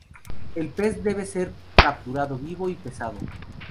El pez debe de ser capturado vivo y pesado.